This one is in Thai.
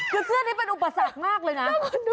คือเสื้อนี้เป็นอุปสรรคมากเลยนะ